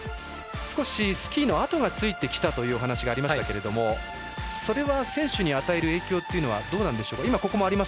少しスキーの跡がついてきたという話がありましたがそれは、選手に与える影響はどうでしょうか。